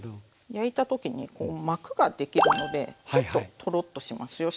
焼いた時に膜ができるのでちょっとトロッとしますよ。